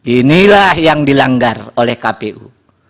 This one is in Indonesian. inilah yang dilanggar oleh kpu